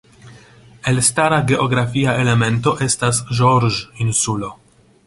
Elstara geografia elemento estas Georges Insulo.